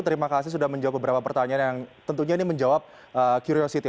terima kasih sudah menjawab beberapa pertanyaan yang tentunya ini menjawab curio city